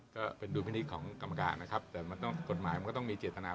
ตอนนี้ทางกรฤษฐานถือว่ากดดันไหมครับที่ทางภารกรรมรัยร้ายภัศเนี่ยครับ